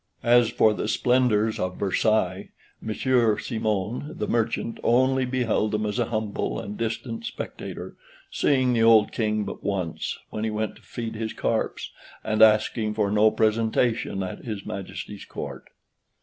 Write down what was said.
As for the splendors of Versailles, Monsieur Simon, the merchant, only beheld them as a humble and distant spectator, seeing the old King but once, when he went to feed his carps; and asking for no presentation at his Majesty's Court.